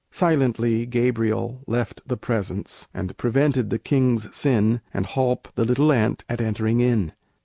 Silently Gabriel left The Presence, and prevented the king's sin, And holp the little ant at entering in.